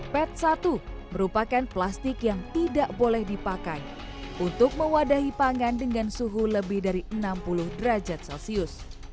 pet satu merupakan plastik yang tidak boleh dipakai untuk mewadahi pangan dengan suhu lebih dari enam puluh derajat celcius